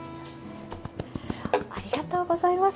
ありがとうございます。